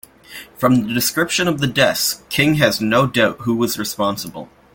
From the description of the deaths, King has no doubt who was responsible.